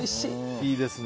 いいですね。